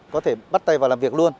có thể bắt tay vào làm việc luôn